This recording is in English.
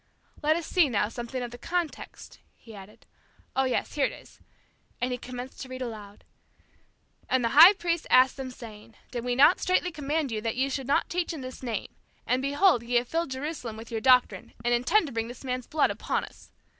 "Let us see, now, something of the context," he added. "Oh, yes, here it is," and he commenced to read aloud, "'And the high priest asked them saying, Did not we straitly command you that ye should not teach in this name? and, behold, ye have filled Jerusalem with your doctrine, and intend to bring this man's blood upon us.